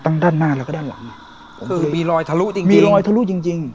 ด้านหน้าแล้วก็ด้านหลังอ่ะก็คือมีรอยทะลุจริงจริงมีรอยทะลุจริงจริง